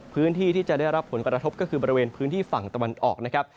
พื้นที่ที่จะได้รับผลกระทบก็คือบริเวณพื้นที่ฝั่งตะวันออกนะครับ